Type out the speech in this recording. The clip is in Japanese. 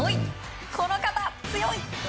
この方、強い！